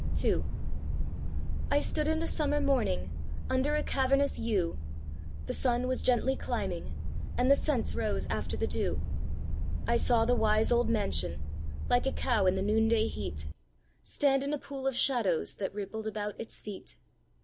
II. I stood in the summer morning Under a cavernous yew; The sun was gently climbing, And the scents rose after the dew. I saw the wise old mansion, Like a cow in the noonday heat, Stand in a pool of shadows That rippled about its feet.